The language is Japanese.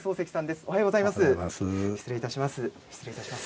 おはようございます。